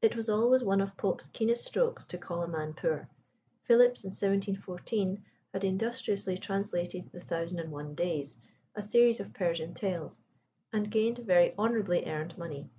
It was always one of Pope's keenest strokes to call a man poor. Philips, in 1714, had industriously translated the Thousand and One Days, a series of Persian tales, and gained very honourably earned money.